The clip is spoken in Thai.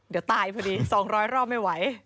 เดี๋ยวตายพอดี๒๐๐รอบไม่ไหว